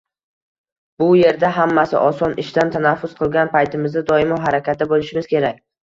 Bu yerda hammasi oson, ishdan tanaffus qilgan paytimizda doimo harakatda bo‘lishimiz kerak.